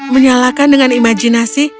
menyalakannya dengan imajinasi